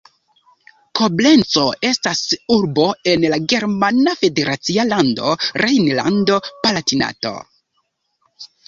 Koblenco estas urbo en la germana federacia lando Rejnlando-Palatinato.